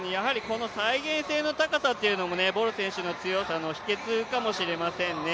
再現性の高さというのもボル選手の強さの秘けつかもしれませんね。